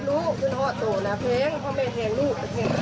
รู้ว่าคุณหาตัวหน้าแพงเพราะแม่แทนลูก